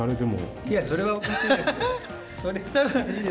いや、それはおかしいでしょ。